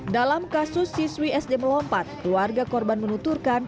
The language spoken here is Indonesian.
dalam kasus siswi sd melompat keluarga korban menuturkan